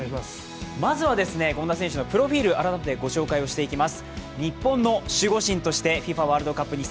まずは権田選手のプロフィール、改めてご紹介していきます。